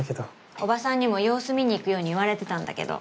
おばさんにも様子見に行くように言われてたんだけど。